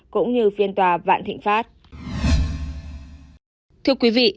cũng như phiên tòa vạn thịnh pháp